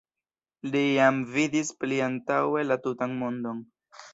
Li jam vidis pliantaŭe la tutan mondon.